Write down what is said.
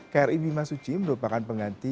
kri bimasuci merupakan pengganti